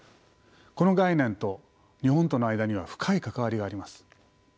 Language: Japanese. この概念と日本との間には深い関わりがあります。